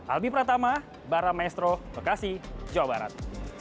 albi pratama baram maestro bekasi jawa barat